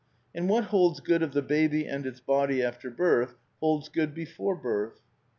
"^^ And what holds good of the baby and its body after birth holds good before birth.